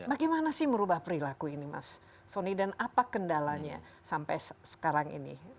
bagaimana sih merubah perilaku ini mas soni dan apa kendalanya sampai sekarang ini